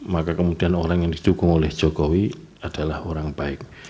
maka kemudian orang yang didukung oleh jokowi adalah orang baik